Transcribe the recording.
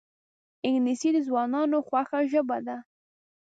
انګلیسي د ځوانانو خوښه ژبه ده